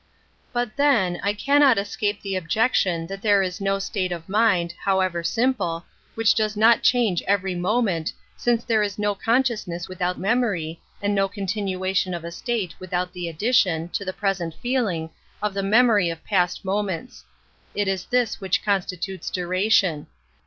U~ But, then, I cannot escape the objec tion that there is no state of mind, how ever simple, which does not change every moment, since there is no consciousness without memory, and no continuation of a state without the addition, to the present feeling, of the memory of past moments. It is this which constitutes duration.